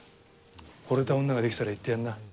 ほれた女ができたら言ってやんな。